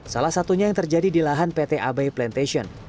salah satunya yang terjadi di lahan pt abai plantation